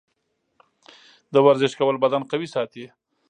د ورزش کول بدن قوي ساتي.